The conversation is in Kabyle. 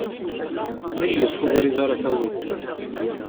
Meyyez ɣef webrid ara tawiḍ.